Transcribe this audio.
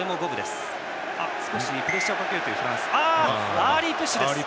アーリープッシュ。